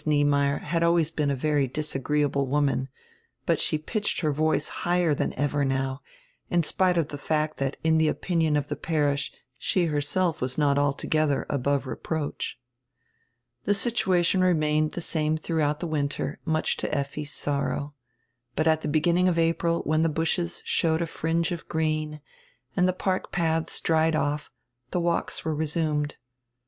Niemeyer had always been a very disagreeable woman, but she pitched her voice higher than ever now, in spite of die fact that in die opinion of die parish she herself was not altogether above reproach. The situation remained die same throughout die winter, much to Effi's sorrow. But at die beginning of April when the bushes showed a fringe of green and die park paths dried off, die walks were resumed.